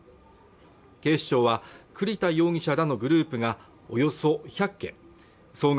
警視庁は栗田容疑者らのグループがおよそ１００件総額